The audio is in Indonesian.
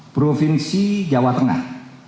provinsi jawa tengah